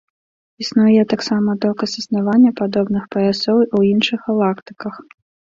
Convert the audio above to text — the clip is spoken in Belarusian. Існуе таксама доказ існавання падобных паясоў у іншых галактыках.